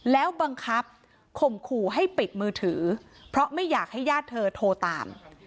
แล้วบังคับข่มขู่ให้ปิดมือถือเพราะไม่อยากให้ญาติเธอโทรตาม